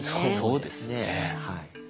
そうですねはい。